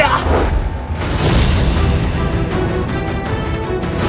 aku tak bisa